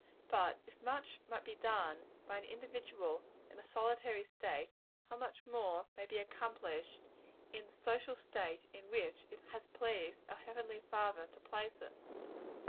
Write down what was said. But if much might be done by an individual in a solitary state, how much more may be accomplished in the social state in which it has pleased our Heavenly Father to place us?